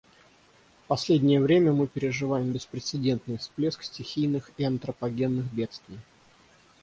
В последнее время мы переживаем беспрецедентный всплеск стихийных и антропогенных бедствий.